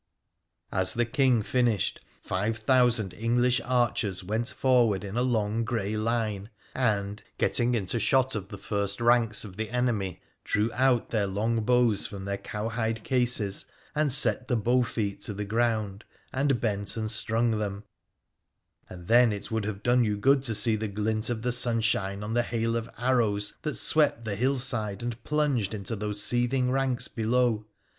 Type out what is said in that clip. As the King finished, five thousand English archers went forward in a long grey line, and, getting into shot of the first ranks of the enemy, drew out their long bows from their cow hide cases and set the bowfeet to the ground and bent and strung them ; and then it would have done you good to see the glint of the sunshine on the hail of arrows that swept the hillside and plunged into those seething ranks below.